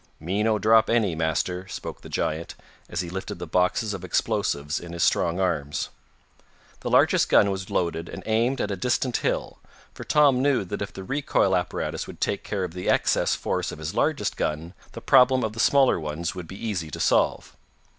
"Me no drop any, Master," spoke the giant, as he lifted the boxes of explosives in his strong arms. The largest gun was loaded and aimed at a distant hill, for Tom knew that if the recoil apparatus would take care of the excess force of his largest gun, the problem of the smaller ones would be easy to solve.